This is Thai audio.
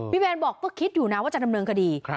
พี่แมนบอกก็คิดอยู่นะว่าจะทำเรื่องคดี